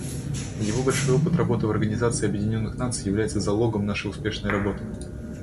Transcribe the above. Его большой опыт работы в Организации Объединенных Наций является залогом нашей успешной работы.